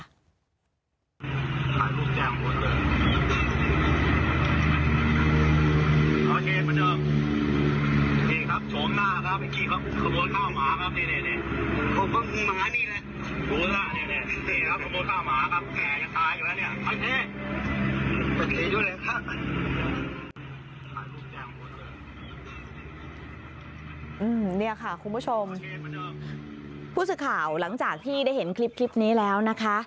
เนี่ยค่ะคุณผู้ชมผู้สื่อข่าวหลังจากที่ได้เห็นคลิปนี้แล้วนะคะ